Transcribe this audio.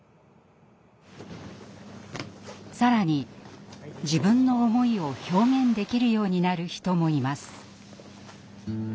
更に自分の思いを表現できるようになる人もいます。